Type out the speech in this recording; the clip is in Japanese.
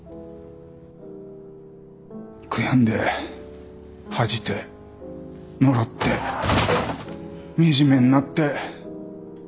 悔やんで恥じて呪って惨めになって。